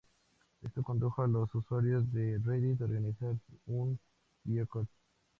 Esto condujo a los usuarios de Reddit a organizar un boicot.